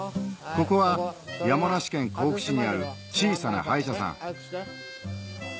ここは山梨県甲府市にある小さな歯医者さんあん。